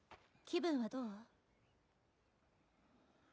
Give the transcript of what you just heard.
気分はどう？